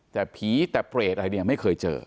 แต่ผีแต่เปรตอะไรเนี่ยไม่เคยเจอ